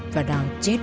và đòi chết